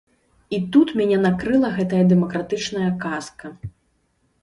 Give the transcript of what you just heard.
І тут мяне накрыла гэтая дэмакратычная казка!